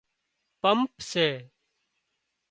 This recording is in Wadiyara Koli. پمپ سي